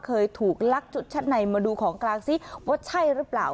เคยถูกลักจุดชัดในมาดูของกลางซิว่าใช่หรือเปล่า